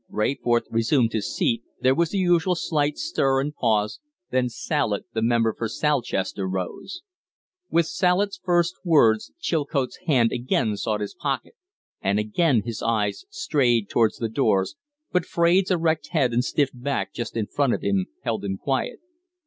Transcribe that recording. Rayforth resumed his seat, there was the usual slight stir and pause, then Salett, the member for Salchester, rose. With Salett's first words Chilcote's hand again sought his pocket, and again his eyes strayed towards the doors, but Fraide's erect head and stiff back just in front of him held him quiet.